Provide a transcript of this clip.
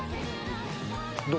どう？